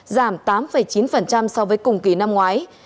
giảm tám chín so với cùng kỳ năm ngoái